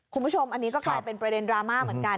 คุณผู้ชมอันนี้ก็กลายเป็นประเด็นดราม่าเหมือนกัน